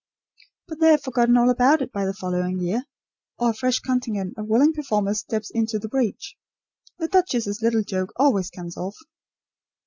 But they have forgotten all about it by the following year; or a fresh contingent of willing performers steps into the breach. The duchess's little joke always comes off."